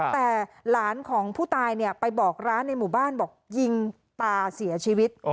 แต่หลานของผู้ตายเนี่ยไปบอกร้านในหมู่บ้านบอกยิงตาเสียชีวิต